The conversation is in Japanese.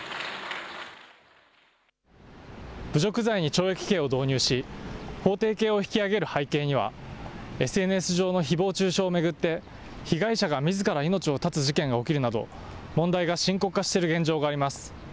侮辱罪に懲役刑を導入し、法定刑を引き上げる背景には、ＳＮＳ上のひぼう中傷を巡って、被害者がみずから命を絶つ事件が起きるなど、問題が深刻化している現状があります。